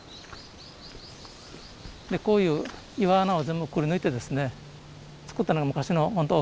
こういう岩穴を全部くりぬいてですねつくったのが昔のほんと